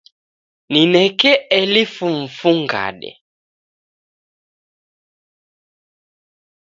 Nineke elfu mfungade